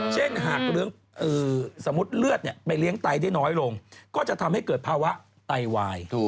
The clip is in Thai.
เช่นหากสมมุติเลือดไปเลี้ยงไตได้น้อยลงก็จะทำให้เกิดภาวะไตวาย